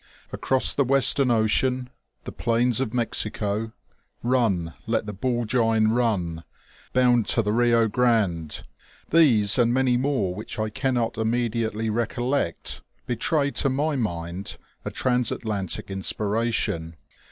"Across the Western Ocean," "The Plains of Mexico,'* " Eun, let the BuUjine run !"" Bound to the Kio Grande,*' these and many more which I cannot immediately recollect betray to my mind a trans Atlantic inspiration.